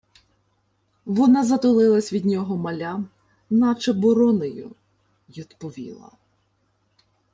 Вона затулилася від нього малям, наче боронею, й одповіла: